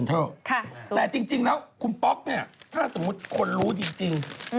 แต่จริงแล้วคุณป๊อกเนี่ยถ้าสมมุติคนรู้จริง